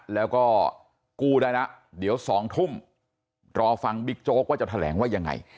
แล้วก็กู้ได้แล้วเดี๋ยว๒ทุ่มรอฟังบิ๊กโจ๊กว่าจะแถลงว่ายังไง